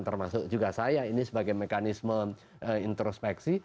termasuk juga saya ini sebagai mekanisme introspeksi